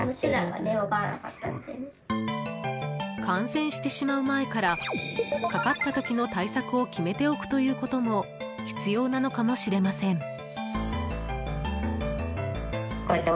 感染してしまう前からかかった時の対策を決めておくということも必要なのかもしれません。